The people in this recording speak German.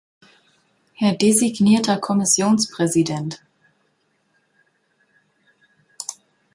Herr designierter Kommissionspräsident!